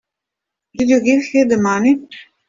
Did you give her the money?